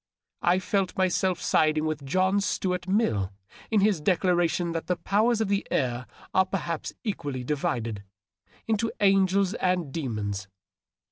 I felt myself siding with John Stuart Mill in his declaration that the powers of the air are perhaps equally divided — into angels and demons.